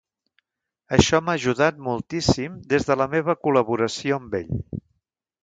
Això m'ha ajudat moltíssim des de la meva col·laboració amb ell.